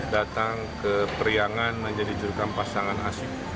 datang ke periangan menjadi jurkam pasangan asli